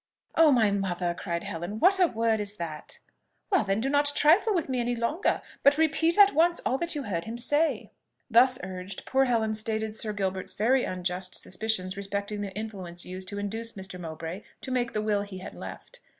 "Oh, my mother!" cried Helen; "what a word is that!" "Well, then, do not trifle with me any longer, but repeat at once all that you heard him say." Thus urged, poor Helen stated Sir Gilbert's very unjust suspicions respecting the influence used to induce Mr. Mowbray to make the will he had left.